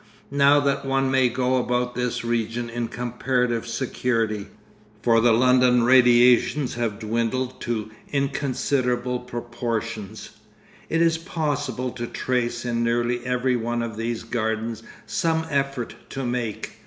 Now that one may go about this region in comparative security—for the London radiations have dwindled to inconsiderable proportions—it is possible to trace in nearly every one of these gardens some effort to make.